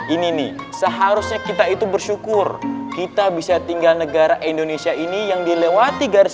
ini nih seharusnya kita itu bersyukur kita bisa tinggal negara indonesia ini yang dilewati garis